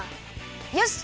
よし！